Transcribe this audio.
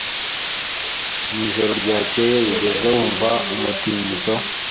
Mu ijoro ryakeye wigeze wumva umutingito?